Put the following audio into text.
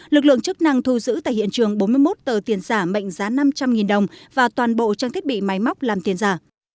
lực lượng chức năng thu giữ tại hiện trường bốn mươi một tờ tiền giả mệnh giá năm trăm linh đồng và toàn bộ trang thiết bị máy móc làm tiền giả